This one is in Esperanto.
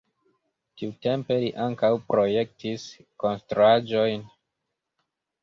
Tiutempe li ankaŭ projektis konstruaĵojn.